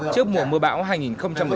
trước mùa mưa bão